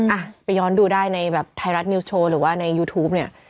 อ่ะไปย้อนดูได้ในแบบไทยรัฐนิวส์โชว์หรือว่าในยูทูปเนี่ย